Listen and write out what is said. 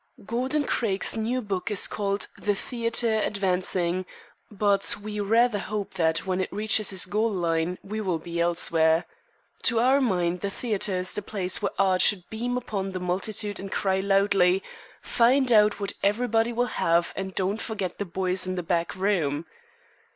Gordon Craig's new book is called The Theatre Advancing, but we rather hope that when it reaches his goal line we will be elsewhere. To our mind the theater is the place where Art should beam upon the multitude and cry loudly, "Find out what everybody will have and don't forget the boys in the back room."